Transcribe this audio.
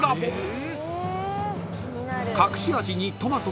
［隠し味に］